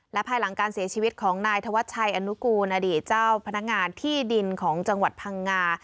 ภายหลังการเสียชีวิตของนายธวัชชัยอนุกูลอดีตเจ้าพนักงานที่ดินของจังหวัดพังงา